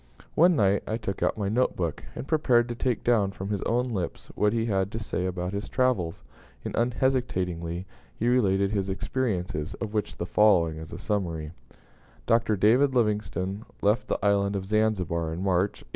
One night I took out my note book, and prepared to take down from his own lips what he had to say about his travels; and unhesitatingly he related his experiences, of which the following is a summary: Dr. David Livingstone left the Island of Zanzibar in March, 1866.